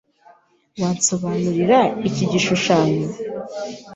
Wansobanurira iki gishushanyo?